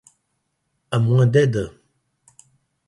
À moins d’aide.